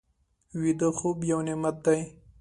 ویده خوب یو نعمت دی